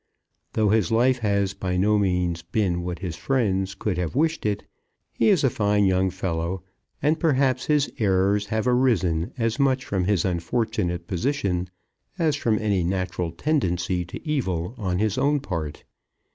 Though his life has by no means been what his friends could have wished it, he is a fine young fellow; and perhaps his errors have arisen as much from his unfortunate position as from any natural tendency to evil on his own part.